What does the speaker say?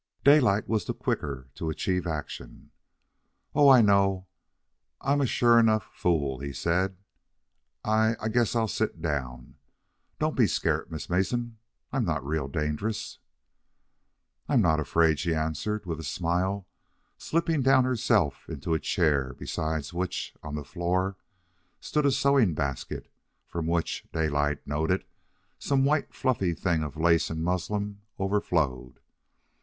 Daylight was the quicker to achieve action. "Oh, I know I'm a sure enough fool," he said. "I I guess I'll sit down. Don't be scairt, Miss Mason. I'm not real dangerous." "I'm not afraid," she answered, with a smile, slipping down herself into a chair, beside which, on the floor, stood a sewing basket from which, Daylight noted, some white fluffy thing of lace and muslin overflowed.